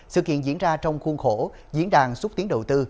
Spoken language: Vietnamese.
sự kiện diễn ra trong khuôn khổ diễn đàn xúc tiến đầu tư